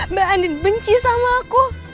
mbak anin benci sama aku